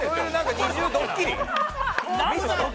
二重ドッキリ？